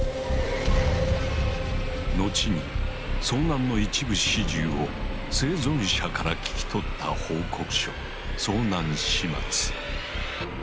後に遭難の一部始終を生存者から聞き取った報告書「遭難始末」。